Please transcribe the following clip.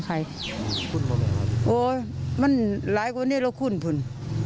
โหดมันหลายคนเนี่ยห้าคนคุณ